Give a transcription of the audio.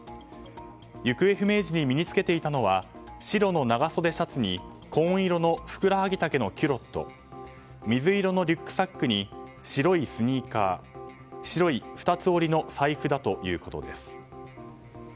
行方不明時に身に着けていたのは白の長袖シャツに紺色のふくらはぎ丈のキュロット水色のリュックサックに白いスニーカー白い二つ折りの財布だということです。